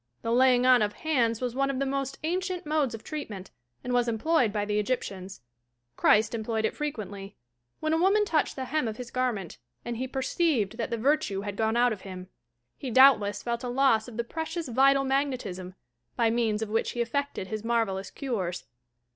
The "laying on of hands" was one of the most an cient modes of treatment, and was employed by the Egyptians. Christ employed it frequently. When a woman touched the hem of his garment, and be "per ceived that the virtue had gone out ot him," he doubt SPIRITUAL HEALING 159 less felt a loss nf the precious vital magnetism, by means of which he efEected his marvellous cures.